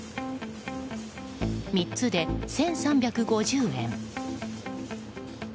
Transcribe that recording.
３つで１３５０円。